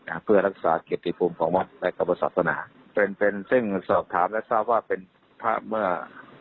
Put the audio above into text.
อ่าเพื่อรักษาเกียรติภูมิของวัดและกรรมศาสนาเป็นเป็นซึ่งสอบถามและทราบว่าเป็นพระเมื่อ